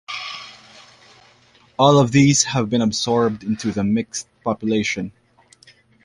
All of these have been absorbed into the "mixed" population.